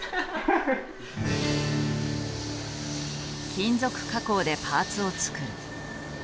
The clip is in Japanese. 金属加工でパーツを作る。